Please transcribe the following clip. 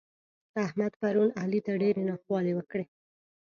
احمد پرون علي ته ډېرې ناخوالې وکړې.